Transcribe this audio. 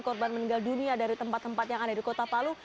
korban meninggal dunia dari tempat tempat yang ada di kota palu